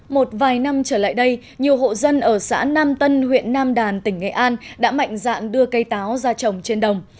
một vài năm trở lại đây nhiều hộ dân ở xã nam tân huyện nam đàn tỉnh nghệ an đã mạnh dạn đưa cây táo ra trồng trên đồng